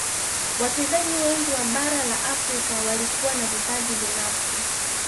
wachezaji wengi wa bara la afrika walikuwa na vipaji binafsi